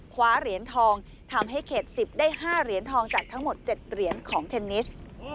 คว้าเหรียญทองทำให้เขต๑๐ได้๕เหรียญทองจากทั้งหมด๗เหรียญของเทนนิส